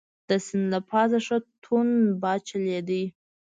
د سیند له پاسه ښه توند باد چلیده.